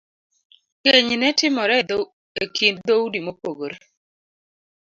Keny ne timore e kind dhoudi mopogore .